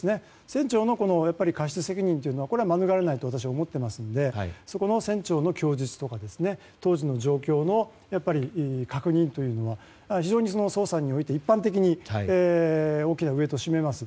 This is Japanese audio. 船長の過失責任というのは免れないと私は思っていますので船長の供述とか当時の状況の確認というのが非常に捜査において一般的に大きなウェートを占めます。